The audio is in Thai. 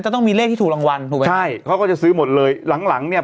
หูยิ้มถูกรางวัลใช่เขาก็จะซื้อหมดเลยหลังเนี่ย